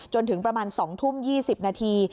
จนถึงประมาณ๒ทุ่ม๒๐นาที